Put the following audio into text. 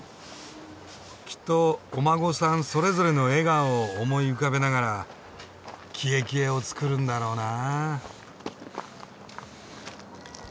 きっとお孫さんそれぞれの笑顔を思い浮かべながらキエキエを作るんだろうな。